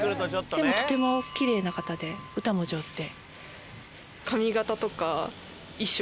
でもとてもきれいな方で歌も上手で。